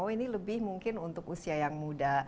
oh ini lebih mungkin untuk usia yang muda